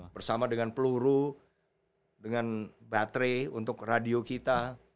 bersama dengan peluru dengan baterai untuk radio kita